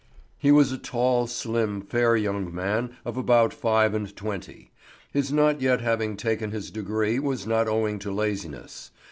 He was a tall, slim, fair young man of about five and twenty. His not yet having taken his degree was not owing to laziness.